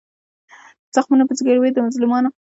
په زخمونو په زګیروي د مظلومانو